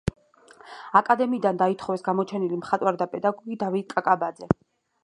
აკადემიიდან დაითხოვეს გამოჩენილი მხატვარი და პედაგოგი დავით კაკაბაძე.